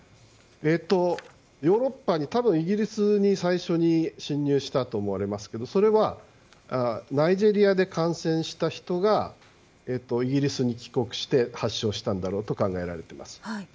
ヨーロッパ、多分イギリスに最初に侵入したと思いますがそれはナイジェリアで感染した人がイギリスに帰国して発症したんだろうと考えられています。